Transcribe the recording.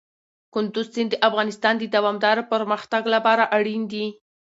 کندز سیند د افغانستان د دوامداره پرمختګ لپاره اړین دي.